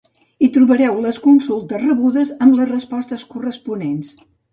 Hi trobareu les consultes rebudes amb les respostes corresponents.